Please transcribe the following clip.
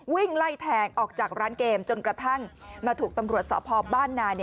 วิ่งไล่แทงออกจากร้านเกมจนกระทั่งมาถูกตำรวจสพบ้านนา